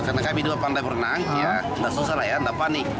karena kami dua pandai berenang ya gak susah lah ya gak panik